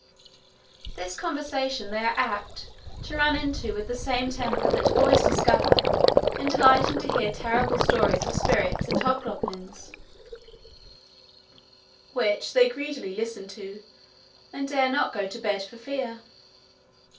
This conversation they are apt to run into with the same temper that boys discover in delighting to hear terrible stories of spirits and hobgoblins, which they greedily listen to, and dare not go to bed for fear.